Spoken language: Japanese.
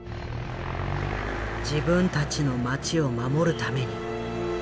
自分たちの街を守るために。